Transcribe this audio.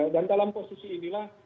dan dalam posisi inilah